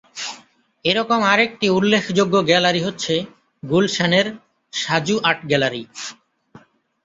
এরকম আরেকটি উল্লেখযোগ্য গ্যালারি হচ্ছে গুলশানের ‘সাজু আর্ট গ্যালারি’।